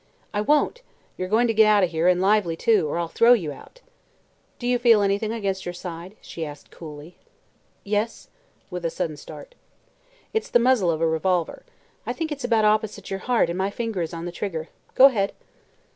"I won't. You're going to get out of here, and lively, too, or I'll throw you out." "Do you feel anything against your side?" she asked coolly. "Yes," with a sudden start. "It's the muzzle of a revolver. I think it's about opposite your heart and my finger is on the trigger. Go ahead!"